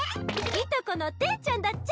いとこのテンちゃんだっちゃ。